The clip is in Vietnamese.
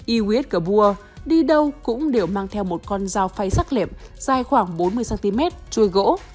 i w s kabur đi đâu cũng đều mang theo một con dao phay sắc lệm dài khoảng bốn mươi cm chui gỗ